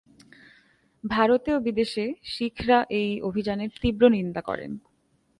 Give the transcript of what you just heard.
ভারতে ও বিদেশে শিখরা এই অভিযানের তীব্র নিন্দা করেন।